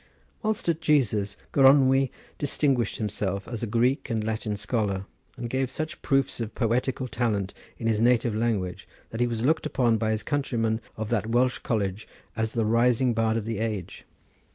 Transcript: Whilst at Jesus, Gronwy distinguished himself as a Greek and Latin scholar, and gave such proofs of poetical talent in his native language, that he was looked upon by his countrymen of that Welsh college as the rising Bard of the age.